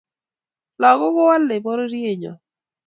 Lakok kuwalea pororiet nyo